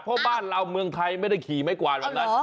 เพราะบ้านเราเมืองไทยไม่ได้ขี่ไม้กวาดแบบนั้น